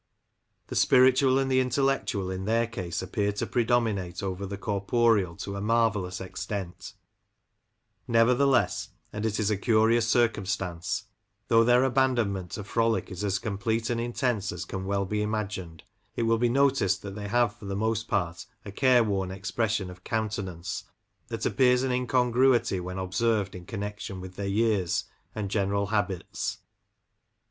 The spiritual and the in tellectual in their case appear to predominate over the corporeal to a marvellous extent Nevertheless, and it is 'a curious circumstance, though their abandonment to frolic is as complete and intense as can well be imagined, it will be noticed that they have for the most part a careworn expres sion of countenance that appears an incongruity when observed in connection with their years and general habits.